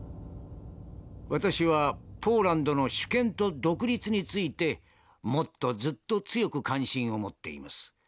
「私はポーランドの主権と独立についてもっとずっと強く関心を持っています。